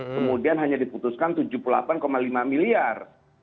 kemudian hanya diputuskan tujuh puluh delapan lima miliar